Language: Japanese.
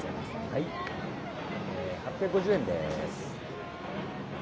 はい８５０円です。